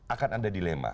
akan ada dilema